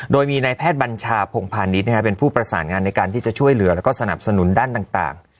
โดยมีนายแพทย์บัญชาพงพาณิชย์เป็นผู้ประสานงานในการที่จะช่วยเหลือแล้วก็สนับสนุนด้านต่าง